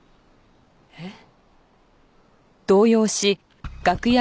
えっ？